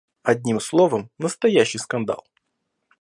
Одним словом, настоящий скандал.